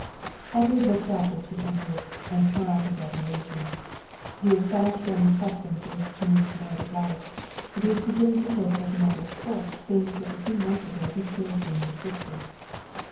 Edward looked up as she entered and smiled his admiration. He was fast growing accustomed to his changed mode of life, and he was beginning to take as a matter of course things which a few months ago he scarcely knew existed.